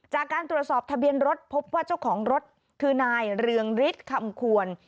จากการตรวจสอบทะเบียนรถพบว่าเจ้าของรถคือนายเรืองฤทธิ์คำควร